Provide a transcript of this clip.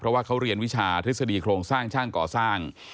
เพราะว่าเขาเรียนวิชาทฤษฎีโครงสร้างช่างก่อสร้าง